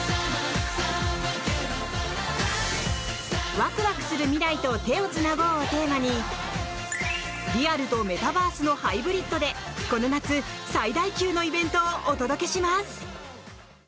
「ワクワクするミライと手をつなごう！」をテーマにリアルとメタバースのハイブリッドでこの夏最大級のイベントをお届けします。